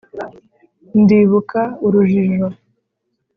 ndibuka urujijo